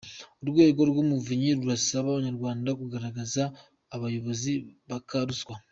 Urwego rw’Umuvunyi rurasaba Abanyarwanda kugaragaza abayobozi baka ruswa